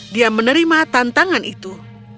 dia menerima tantangan itu